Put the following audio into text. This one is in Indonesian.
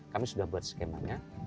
kami sudah buat skemanya